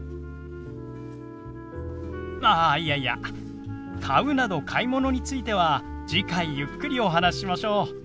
ああいやいや「買う」など買い物については次回ゆっくりお話ししましょう。